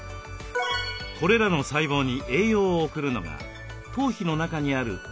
これらの細胞に栄養を送るのが頭皮の中にある毛細血管です。